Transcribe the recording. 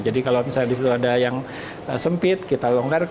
jadi kalau misalnya di situ ada yang sempit kita longgarkan